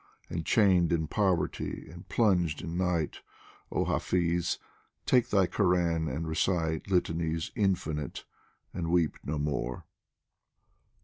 And chained in poverty and plunged in night, Oh Hafiz, take thy Koran and recite Litanies infinite, and weep no more